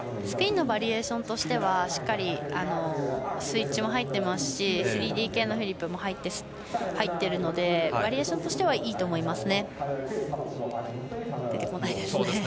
スピンのバリエーションとしてはしっかりスイッチも入ってますし３Ｄ系のフリップも入っているのでバリエーションとしてはいいと思いますね。